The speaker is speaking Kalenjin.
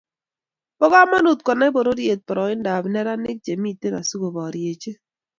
Bo komonut konai pororiet poroindap neranik chemitei asikoboriechi